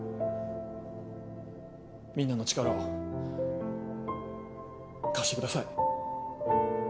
みんなの力を貸してください。